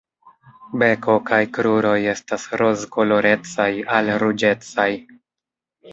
Beko kaj kruroj estas rozkolorecaj al ruĝecaj.